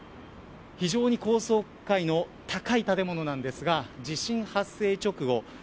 非常に高層階の高い建物なんですが地震発生直後